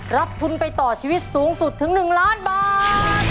รับทุนไปต่อชีวิตสูงสุดถึง๑ล้านบาท